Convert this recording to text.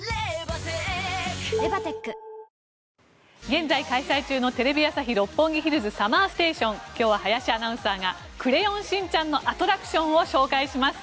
現在開催中の「テレビ朝日・六本木ヒルズＳＵＭＭＥＲＳＴＡＴＩＯＮ」今日は林アナウンサーが「クレヨンしんちゃん」のアトラクションを紹介します。